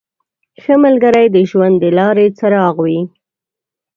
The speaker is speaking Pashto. • ښه ملګری د ژوند د لارې څراغ وي.